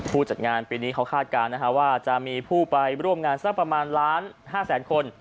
จัดงานปีนี้เขาคาดการณ์ว่าจะมีผู้ไปร่วมงานสักประมาณล้าน๕แสนคน